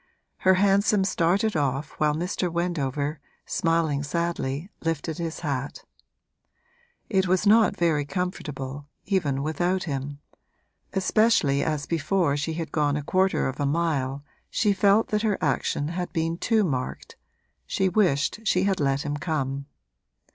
Her hansom started off while Mr. Wendover, smiling sadly, lifted his hat. It was not very comfortable, even without him; especially as before she had gone a quarter of a mile she felt that her action had been too marked she wished she had let him come.